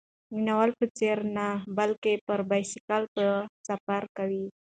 د ناول په څېر نه، بلکې پر بایسکل به سفر کوي.